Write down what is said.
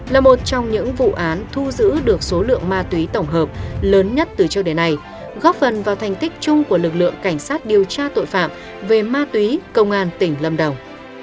là một trong những vụ án thu giữ được số lượng ma túy tổng hợp lớn nhất từ trước đến nay góp phần vào thành tích chung của lực lượng cảnh sát điều tra tội phạm về ma túy công an tỉnh lâm đồng